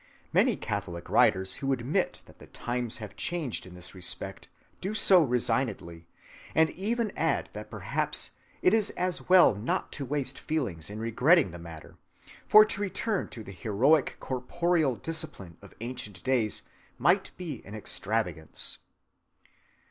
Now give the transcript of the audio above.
Many Catholic writers who admit that the times have changed in this respect do so resignedly; and even add that perhaps it is as well not to waste feelings in regretting the matter, for to return to the heroic corporeal discipline of ancient days might be an extravagance.